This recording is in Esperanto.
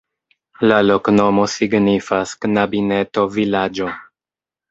La loknomo signifas: knabineto-vilaĝo.